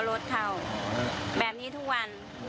มันเป็นแบบที่สุดท้าย